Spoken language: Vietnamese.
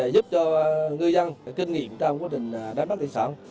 giúp cho ngư dân kinh nghiệm trong quá trình đánh bắt thủy sản